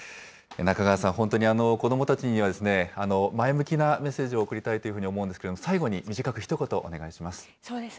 中川さん、本当に子どもたちには前向きなメッセージを送りたいというふうに思うんですけど、最後に短く、ひと言お願いします。